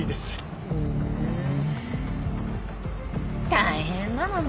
大変なのね。